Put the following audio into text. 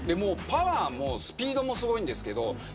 パワーもスピードもすごいんですけど